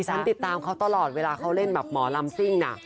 ฉันติดตามเขาตลอดเวลาเขาเล่นแบบหมอลำซิ่งน่ะ